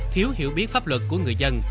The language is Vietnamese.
thiếu hiểu biết pháp luật của người dân